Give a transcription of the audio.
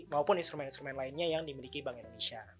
maupun instrumen instrumen lainnya yang dimiliki bank indonesia